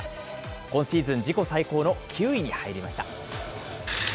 今シーズン自己最高の９位に入りました。